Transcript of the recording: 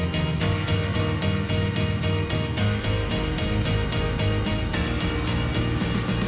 เดี๋ยวเราสองคนจะไปลุยแล้วใช่ไหม